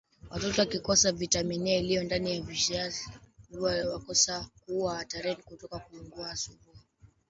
Watoto wakikosa vitamini A iliyo ndani ya viazi lishe huwa hatarini kuugua surua